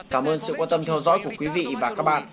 cảm ơn sự quan tâm theo dõi của quý vị và các bạn